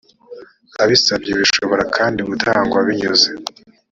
abisabye bishobora kandi gutangwa binyuze